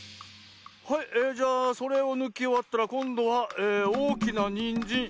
「はいえじゃあそれをぬきおわったらこんどはおおきなにんじん。